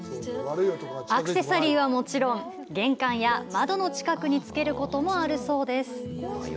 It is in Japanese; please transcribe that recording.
アクセサリーはもちろん、玄関や窓の近くにつけることもあるそうです。